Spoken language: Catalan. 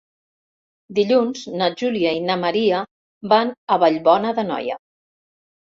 Dilluns na Júlia i na Maria van a Vallbona d'Anoia.